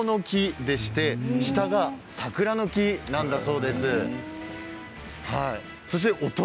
木の上が、りんごの木でして下が桜の木なんだそうです。